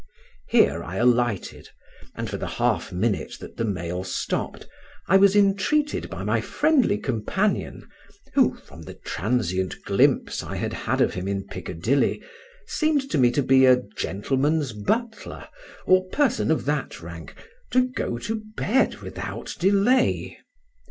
Here I alighted, and for the half minute that the mail stopped I was entreated by my friendly companion (who, from the transient glimpse I had had of him in Piccadilly, seemed to me to be a gentleman's butler, or person of that rank) to go to bed without delay.